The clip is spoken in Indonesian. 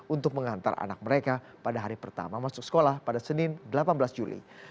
untuk mengantar anak mereka pada hari pertama masuk sekolah pada senin delapan belas juli